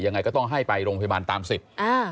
ยังไงก็ต้องให้ไปโรงพยาบาลตามสิทธิ์